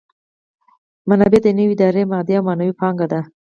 منابع د یوې ادارې مادي او معنوي پانګه ده.